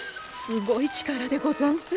すごい力でござんす。